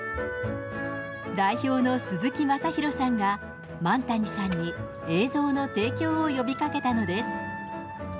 代表の鈴木昌宏さんが、萬谷さんに映像の提供を呼びかけたのです。